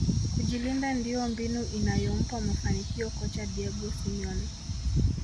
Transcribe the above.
kujilinda ndio mbinu inayompa mafanikio kocha diego simeone